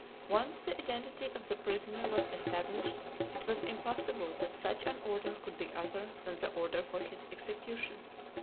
Once the identity of the prisoner was established, it was impossible that such an order could be other than the order for his execution.